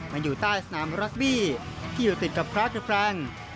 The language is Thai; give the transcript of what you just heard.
มันอยู่ใต้สนามรักบี้ที่อยู่ติดกับพระเดอร์ฟรัง